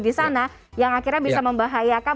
di sana yang akhirnya bisa membahayakan